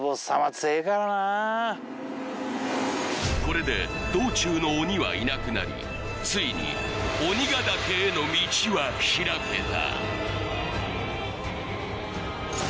これで道中の鬼はいなくなりついに鬼牙岳への道はひらけた